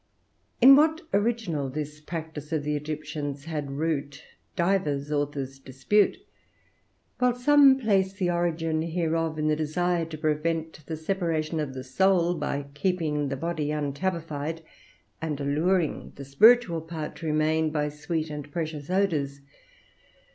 In what original this practice of the Egyptians had root, divers authors dispute; while some place the origin hereof in the desire to prevent the separation of the soul by keeping the body untabified, and alluring the spiritual part to remain by sweet and precious odors.